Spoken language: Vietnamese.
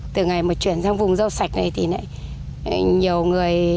từ ngày mà chuyển sang vùng rau sạch này thì nhiều người